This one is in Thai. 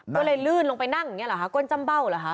ก็เลยลื่นลงไปนั่งอย่างนี้เหรอคะก้นจำเบ้าเหรอคะ